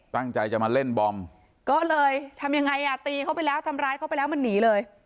ตั้งใจจะมาเล่นบอมก็เลยทำยังไงอ่ะตีเขาไปแล้วทำร้ายเขาไปแล้วมันหนีเลย